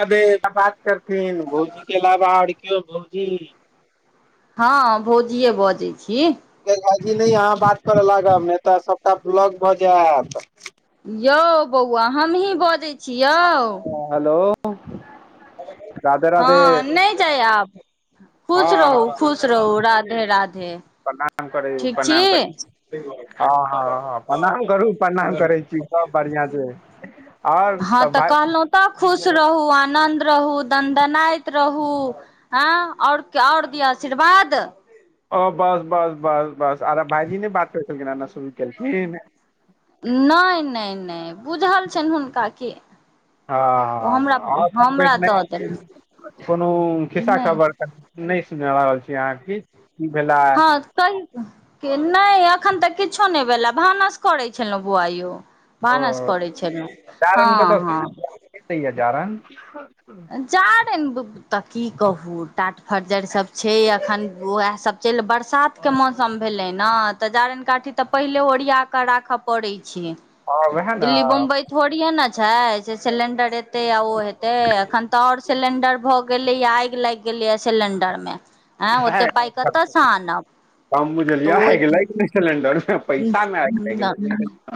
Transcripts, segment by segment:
अ बात करथिन भौजी के अलावा आओर केओ भौजी। हँ भौजिये बजै छी। भजी नहि अहाँ बात करय लागब ने तऽ सभटा ब्लॉग भऽ जायत। यौ बौआ हमहीं बजै छी। यौ ह हेलो। राधे राधे हँ नहि जाय आब हँ खुश हँ रहू खुश। राधे राधे। प्रणाम करै छी प्रणाम करैछी। हँ हँ प्रणाम करू प्रणाम करै छी सब बढ़िआं छै। आओर तऽ भाइ। कतऽ खुश रहू आनन्द रहू दनदनाइत रहू। हँ आओर आओर दिया आशीर्वाद। ओ बस बस बस बस आर भाईजी नहि बात करै छलखिन एना शुरू केलखिन नहि नहि नहि बुझल छनि हुनका कि, ओ हमरा हँ ह [unintelligible] हमरा नहि दऽ देलखिन कोनो खिस्सा नहि खबर नहि सुना रहल छी अहाँ की भेलए। हँ नहि एखन तऽ किछो नहि भेलए भानस करै छलहुँ बौआ यौ। भानस ओ करै छलहुं। जारनि कतऽ हँ सँ हँ, के दैये जारन? जारैन तऽ की कहू टाट फरजर सभ छै अखन उएह सब चलि बरसात के मौसम भेलै ने तऽ जारनि काठी तऽ पहिले ओरिया कऽ राखय पड़ैत छै। हँ वएह दिल्ली ने बम्बई थोड़िए ने छै सेे सिलेंडर एतै आ ओ हेतै। एखन तऽ आओर सिलेंडर भऽ गेलैए आगि लागि गेलैए सिलेंडर मे, हम बुझलियै ह आगि लागि गेलै सिलेडरमे। नह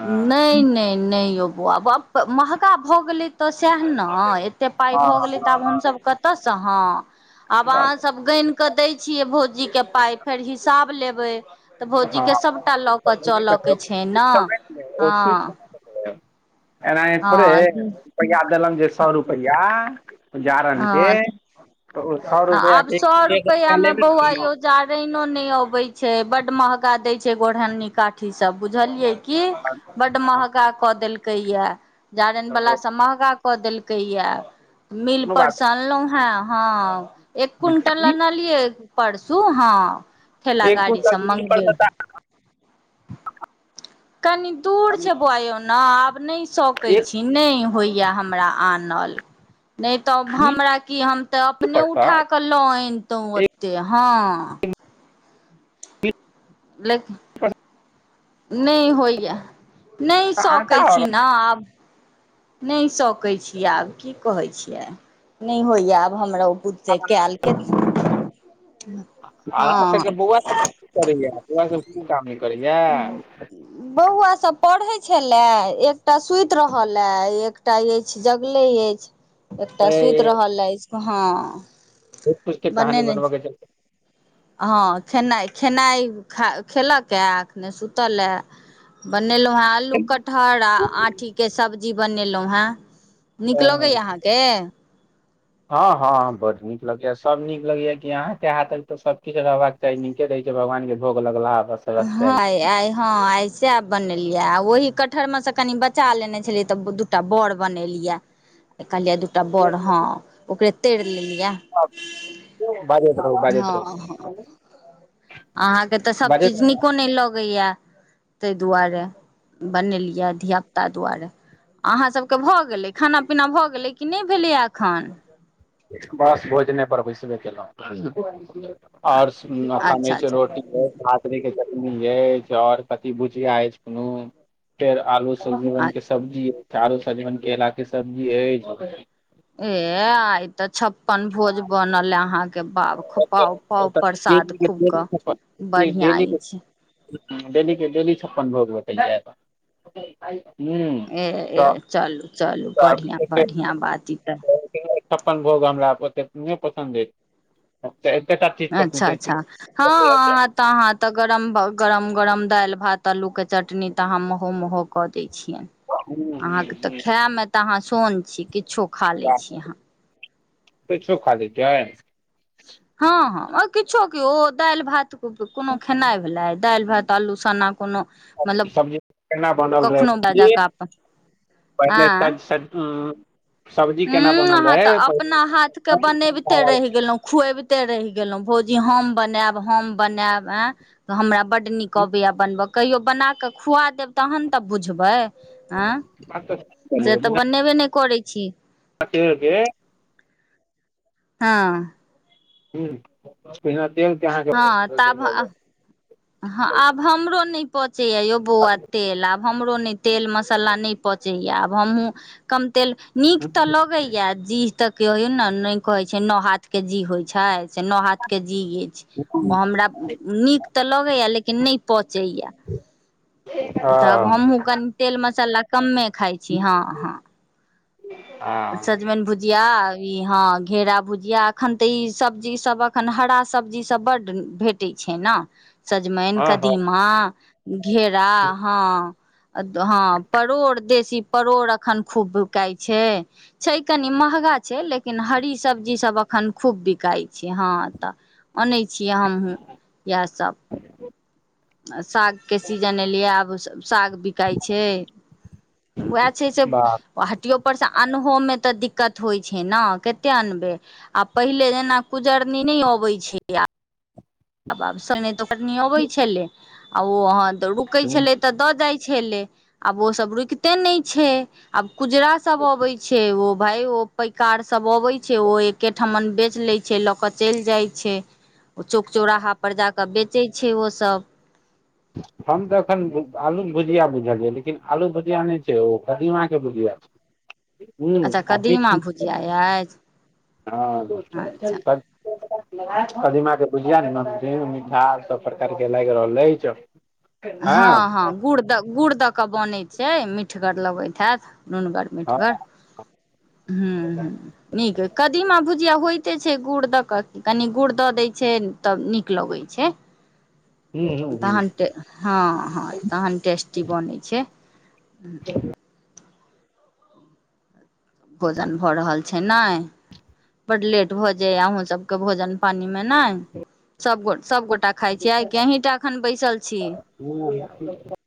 नहि नहि नहि यौ बौआ बाप महगा भऽ गेलै तऽ सएह ने एतेक पाइ भऽ गेलै तऽ आब हमसभ [unintelligible] आब बात अहां सब क दय छियै भौजी के पाय फेर हिसाब लेबै तऽ भौजी हँ के सबटा ल चलऽ के छै ने हँ। ह एनाहि थोड़े अइ हँ रुपैआ देलनि जे सए रुपैआ जारन के, हँ त ओ सए रुपआ आब के सौ एक रुपैया रुपआ मे लेबै ने बौआ यौ हम। जारैनो नहि अबै छै बड महगा दै छै गोरहन्नी काठी सब बुझलियै। की बड्ड महगा कऽ देलकै ये जारनि बला कोनो सब महगा कऽ देलकै यए मील बात परसँ अनलहुं हे। हँ, एक क्विंटल नहि अनलियै परसू हँ ठेला एक गाड़ी क्विंटल से मिल पर मंगबेलियै। कनी दूर छै बौवा यौ न आब नहि सकै एक छी नहि होइये हमरा आनल। नै तऽ मिल हमरा कि हम त अपने पर उठा तऽ के लऽ ऐनतौ ओते हँ। [inaudible] नहि होइये नहि आटा सकै आओर छी ने आब। नहि सकै छी आब की कहै छियै नहि होइये आब हमरो बुते से केएल। अहाँ सभके हँ बौआ सभ की करैए? बौआ सभ कीछो काम नहि करैये? ई बौआ सब पढ़ै छले एकटा सुति रहल ए एकटा अछि जगले अछि। एकटा सुति रहल अछि हँ। [unintelligible] के कहानी बनेने बनबऽ के चलते। हँ खेनाइ खेनाइ खा खेलक ए आ एखने सुतल ए। बनेलहुँ हेँ आलू कटहर आ आँठी के सब्जी बनेलहुँ हें। [inaudible] हँ हँ बड नीक लगैये सब नीक लगैये कि अहाँ के हाथक तऽ सब किछ रहबाक चाही, नीके रहै छै भगवान के भोग लगलाहा बस रहबाक हॅ चाही आइ हँं आइ सेएह बनेलियै आ ओहि कटहर में से कनी बचा लेने छलियै तऽ एकटा बड़ बनेलियेए कहलिये एकटा बड़ हँ ओकरे तैर लेलियै। बाजैत रहू बाजैत रहू अहाँके तऽ सब बाजैत चीज रहू न नहि लगैया ताहि दुआरे बनेलिये धियापुता दुआरे। अहाँसभके भऽ गेलै खाना पीना भऽ गेलै कि नहि भेलैए एखन। बस भोजने पर बैसबे केलहु। आओर खान अच्छा छै अच्छा रोटी भात के जमी अछि और कथि बुझिया अछि कोनो फेर आलू सजवन के सब्जी अईछ आलू सजमनि केलाक के सब्जी ह ए आइत [unintelligible] तऽ छप्पन भोज बनल अहाँके बउ खु पाउ पाउ डेली प्रसाद खूब कऽ। के बढ़िआँ अछि। डेली के डेली छप्पन भोग बटल जा [unintelligible] ए ए चलू चलू तऽ बढ़िआँ बढ़िआँ बात ई तऽ छप्पन भोग हमरा ओतेक नहि पसन्द अछि! तचीजपट अच्छा उठ छी अच्छा हँ [unintelligible] अहाँ तऽ अहाँ तऽ गरम गरम गरम दालि भात आल्लूके चटनी तऽ अहाँ महो महो कऽ दै छिअनि हूं हूं अहाँके तऽ हूं खाय मे तऽ अहाँ सोन छी किछो खा लै छी अहाँ त छ खाली छै [unintelligible] हँ हँ ओइ किछो के ओ दालि भात कोनो खेनाइ भेलै दालि भात आलू सना कोनो मतलब सबजी केना बनल रहै कखनो ब सबजी जाक [unintelligible] अपन पहिले त आँ [unintelligible] सब्जी केना उं बनल अहाँ तऽ रहै पहि [unintelligible] खुआबिते रहि गेलहु भौजी हम बनायब हम बनायब एं तऽ हमरा बड नीक अबैया बनब कहियो बना कऽ खुआ देब, तहन तऽ बुझबै आं से तऽ बनेबे नहि करै छी। अकेले हँ बिना तेल के अहांके [unintelligible] हं आब हमरो नहि पचैया यौ बौआ तेल आब हमरो नहि तेल मसाला नहि पचैया आब हमहूँ कम तेल नीक तऽ लगैया जी देखियो एना नहि ने कहै छै नो हाथ के जी होइ छै। से नो हाथ के जी अछि ओ हमरा नीक तऽ लगैया लेकिन नहि पचैया तऽ आब हँ हमहूँ कनी तेल मसाला कमे खाइ छी हँ हँ हँ सजमनि भुजिया ई हाँ घेरा भुजिया अखन तऽ ई सब्जी सब अखन हरा सब्जी सब बड भेटै छै ने सजमनि हँ हँ कदीमा घेरा हँ हँ परोड़ देशी परोड़ अखन खूब बिकाय छै छै कनी महगा छै लेकिन हरी सब्जीसभ एखन खूब बिकाइ छै हँ तऽ अनै छियै हमहूँ इएहसभ साग के सीजन एलैया आब साग बि काय छै उएह छै जे बाप ओ हटियो पर से अनहोमे तऽ दिक्कत होइ छै ने कते अनबै आ पहिले जेना कुजरनी नहि अबै छै आ आब आब [unintelligible] अबै छलै आ ओ अहाँ रुकै रे। छलै तऽ दऽ जाइ छलै, आब ओ सब रुकिते नहि छै, आब कुजरा सब अबै छै, ओ भाय ओ पैकार सब अबै छै, ओ एकेठमन बेच लै छै, लऽ केऽ चलि जाइ छै ओ चौंक चौराहा पर जाकऽ बेचै छै ओसब। हम तऽ एखन आलूक भुजिया बुझलियै, लेकिन आलू भुजिया नहि छै ओ कदीमाके भुजिया छय। हूं अच्छा आ कदीमा भुजिया [unintelligible] अछि हँ अच्छा [unintelligible] कदीमा के बुझिया मे नमकीन मीठास सब प्रकार के लागि रहल अइछ। हँ-हँ गुड़ दऽ-गुड़ दऽ कऽ बनै छै, मीठगर लगैत हैत नूनगर हँ मिठगर। [inaudible] हूं-हूं नीक, कदीमा भुजिया होइते छै गुड़ दऽ कऽ की, कनि गुड़ दऽ दैय छै तऽ नीक लगै छै। हूँ हूँ तहन टे हँ-हँ तहन टेस्टी बनै छै। भोजन भऽ रहल छै नाय। बड लेट भऽ जाय अहुँ सबके भोजन पानी मे नहि, सब गो सब गोटा खाइ छीयै, अहि टा एखन बैसल छी। [unintelligible]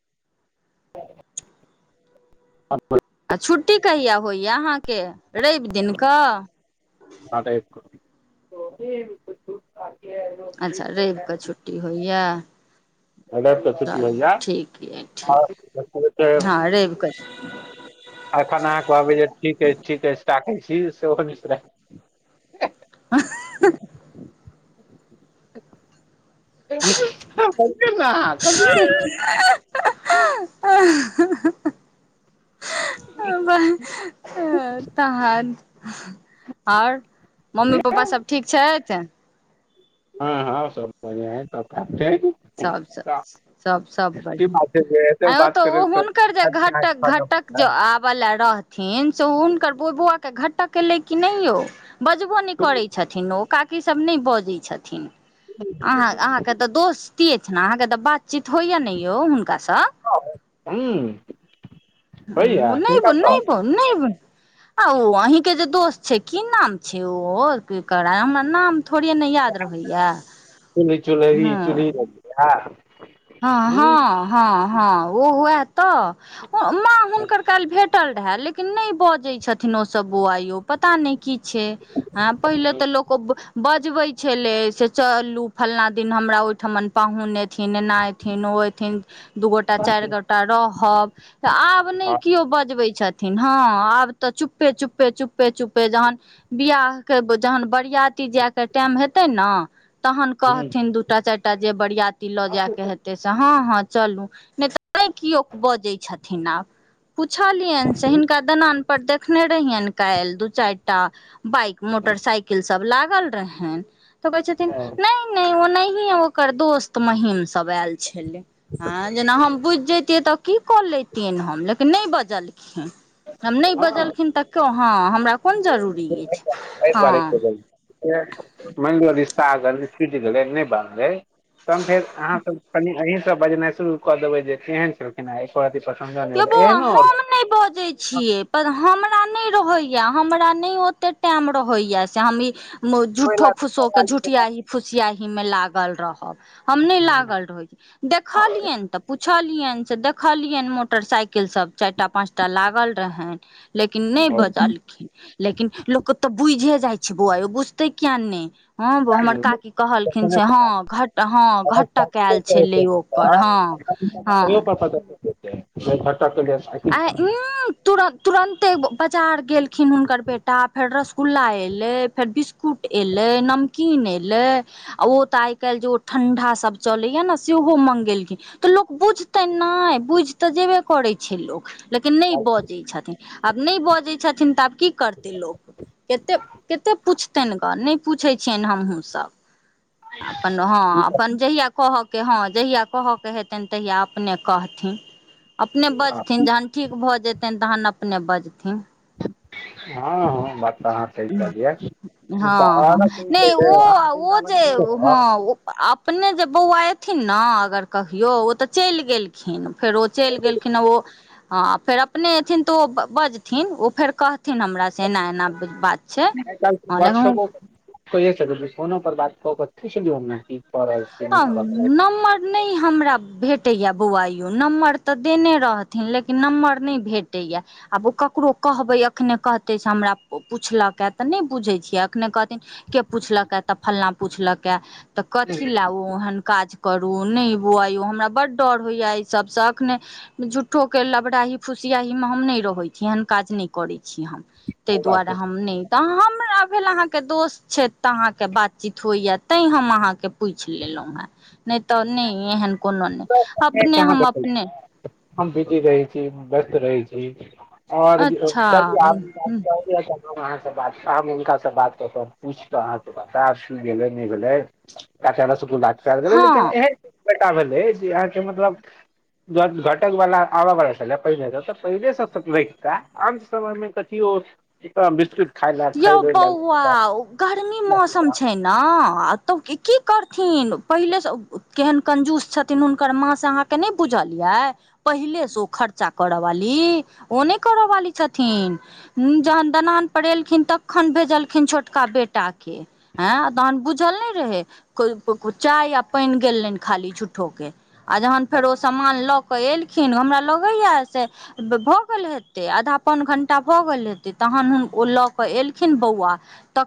अब [unintelligible] आ छुट्टी कहिया होइए अहाँके रवि दिन कऽ। हँ रवि कऽ। ओ रेव कऽ अच्छा रवि कऽ छुट्टी होइए। [unintelligible] चलु ठीक यै ठीक, हँ रवि कऽ एखन अहाँ कहबै जे, ठीक अय ठीक अछि राखै छी सेहो बिसराय अँऽ ह [unintelligible] कथी कहै छी। [unintelligible] औ बैह [unintelligible] तहन अओर मम्मी पप्पा सब ठीक छैथ। हँ-हँ सब बढ़ियां हय सब [unintelligible] छै। सब-सब-सब- सब की बढ़ियां, बात छै जे एतेक आ यौ बात तऽ ओ करैत हुनकर जे घटक-घटक जो आबऽ लै रह थीन, से हुनकर बो बौआ के घटक एलै की नहि यौ, बजबो नहि हूँ करै छ थिन, ओ काकी सब नहि बजै छथीन, अहाँ-अहाँके तऽ दोस् ती अछि नऽ, अहाँके तऽ बातचीत होइए नहि यौ हुनका सँ। हँ हूं होइए नहि किनका सँ। नहि नहि बै आ ओ अहीं के जे दोस्त छै, की नाम छै ओ ओ केकर हमरा नाम थोड़िये नहि याद रहैया। चुल चुल्ही-चुलही [unintelligible] हँ-हँ-हँ-हँ उ उहए तऽ, माँ हुनकर काल्हि भेटल रहै लेकिन नहि बजै छथिन ओसब बौआ यौ। पता नहि की छै, ऍ पहिले तऽ लोक बज जबै छलै, से चलु फलना दिन हमरा ओहिठमन पाहुन एथिन एना थिन ओ एथिन दू गोटा चारि गोटा रहब। तऽ आब नहि केओ बजबैत छथिन, हँ आब तऽ चुपे-चुपे-चुपे-चुपे जहन बियाहके जहन बरियाती जायके टाइम हेतै न तहन कहथिन दूटा चारिटा जे बरियती लऽ जाय के हेत तहिसँ हँ हॅं चलू नहि तऽ नहिै केओ बजै छथिन आब पूछलियैन से हिनका दनानपर देखने रहियैन काल्हि दू चैर टा बाइक मोटरसाइकिल सब लागल रहेैन तऽ कहेै हूँ छथिन नैय -नैय ओ ओकर दोस्त महीम सब एल छेलै हँ जेना हम बुइझ जैतियै तऽ की कऽ लेैतियैन हम लेकिन नै बजलखिन हम नै हँ बजलखिन तऽ क हँ हमरा कोन जरूरी अइछ हँ। [unintelligible] मैन लिअ रिश्ता अगर छुइट गेलै नै बनलै तहन फेर आहाँसब कनि अहींसब बजनाइ शुरू कऽ देबै जे केहन छौ [unintelligible] एहनो नै बजै छियै पर हम हमरा नै रहैया हमरा नै ओते टाइम रहैया से हम ई हम झूठो फूसो के झुठियहि फुसियाहि मे लागल रहब। हम नै लागल रहै छी देखलियैन तऽ पूछलियैन से देखलियैन मो मोटरसाइकिल सब चैरटा पाँचटा लागल रहेैन लेकिन नै बजलखिन। लेकिन लोकतऽ बुइझे जाइ छै बौआ यौ बुइझते किआ नै। हँ बौ हमर काकी कहलखिन से हँ घट हँ घटक एल छेलै ओ [unintelligible] एक घंटा पहले से आय उं तु- तुरन्ते बाजार गेलखिन हुनकर बेटा फेर रसगुल्ला एलै फेर बिस्क कूट एलै नमकीन एलै आ ओ तऽ आय कैल्ह जे ओ ठंण्डा सब चलैया ने सेहो मंगेलखिन। तऽ लोक बुझतैन नै बुइझ तऽ जेबे करै छै लोक लेकिन नै बजै छथिन आब नै बजै छथिन तऽ आब की करतै लोक कते -कते पूछतेैन ग नै पुछैछियैन हमहूँ सब आ हँ अपन हँ जहिया कहऽके हँ जहिया कहऽके हेतैन तहिया अपने कहथिन। अपने बजथिन जहन ठीक भऽ जेतैन तहन अपने बजथिन। हँ हँ बात तऽ अहाँ सही कहलियै ई तऽ हँ हँ औरत नै ओ अहाँ -ओ जे वृन्दावन गेल रहौ हँ ओ अप ने जे बौआ एथिन ने अगर कहियो ओ तऽ चैल गेलखिन फेर ओ चैल गेलखिन आ ओ हँ फेर अपने एयथिन तऽ ओ बजथिन ओ फेर कहथिन हमरा से एना -एना बात छै हँ लेकिन [unintelligible] फोन पर बात [unintelligible] हँ रहल छी नंम्बर नै हमरा भेटैये बौआयो नम्बर तऽ देने रहथिन लेकिन नम्बर नै भेटैया। आब ओ ककरो कहबै एखने कहतै से हमरा पुछलक हए तऽ ने बुझै छियै एखने कहथिन। के पूछलक तऽ फलना पूछलक तऽ कथी ओ ओहन काज करू नै बौआ यौ हमरा बड़ डर होइया एहि सबसँ अखने झूट्ठोके लबरााही फुसियाहीमे हम नै रहै छी एहन काज नै करै छी हम तैय ओ बात दुआरे हम नैय। तऽ हमरा भेल अहाँके दोस्त छैथ तऽ अहाँके बातचीत होइया तैं हम अहाँके पूइछ लेल हें नै तऽ नै एहन कोनो नै तऽ अपने कहाँ हम देखै छी अपने हम बिजी रहै छी व्यस्त रहै छी और [unintelligible] अच्छा अहाँ से बातब हुनका से बात कऽ कऽ पूइछ कऽ अहाँ से बतेआब से कि भेलै नै भेलै। अचानक सुकु ल पल गेलै हँ लेकिन एहन बेटा भेलै जे अहाँके मतलब जौ घटक वला आबऽ बला छलै पहिले सँ, तऽ पहिले सँ तकबैताऽ। आन समय मे कथियो, एकटा विस्तृत यौ बौआ ओ गर्मी मौसम छैन हाॅं त की की करथिन? पहिले स ओ केहन कंजूस छतहिन उनकर माँ से अहां त नैय बुझलियै? पहिलेसँ ओ खर्चा करऽवाली, ओ नैय करऽवाली छथिन। उम्म, जखन दलानपर एलखिन तखन भेजलखिन छोटका बेटाके। हैं, तहन बुझल नै रहै? कोइ चाय आ पइन गेलनि खाली झूट्ठो के। आ जहन फेर ओ सामान लऽ कऽ एलखिन, हमरा लगैयैऽ से भऽ गेल हेतै, आधा पौन घंटा भऽ गेल हेतै, तहन हुन ओ लऽ एलखिन बौआ तऽ